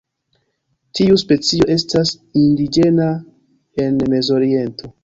Tiu specio estas indiĝena en Mezoriento.